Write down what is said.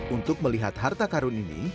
untuk melihat harta karun ini